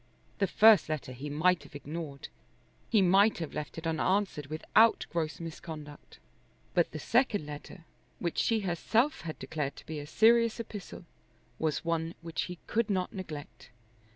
The first letter he might have ignored. He might have left it unanswered without gross misconduct. But the second letter, which she herself had declared to be a serious epistle, was one which he could not neglect.